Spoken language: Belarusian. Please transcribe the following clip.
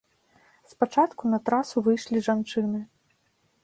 Спачатку на трасу выйшлі жанчыны.